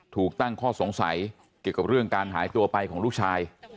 ถูกตั้งข้อสงสัยเกี่ยวกับเรื่องการหายตัวไปของลูกชาย